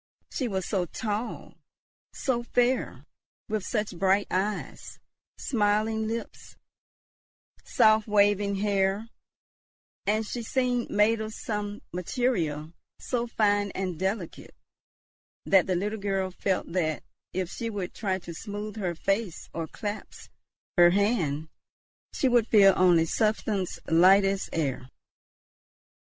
She was so tall, so fair, with such bright eyes, smiling lips, soft waving hair; and she seemed made of some material so fine and delicate, that the little girl felt that, if she would try to smooth her face or clasp her hand, she would feel only substance light as air.